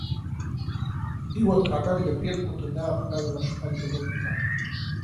И вот врага, где предку туда отправила шпаги логика.